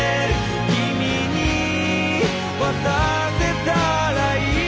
「君に渡せたらいい」